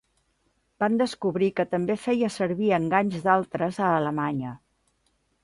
Van descobrir que també feia servir enganys d'altres a Alemanya.